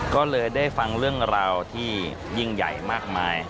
ก็เลยได้ฟังเรื่องราวที่ยิ่งใหญ่มากมาย